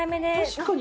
確かに。